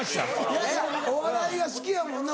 いやいやお笑いが好きやもんな